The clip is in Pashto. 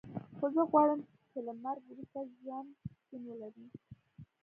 خو زه غواړم چې له مرګ وروسته ژوند شتون ولري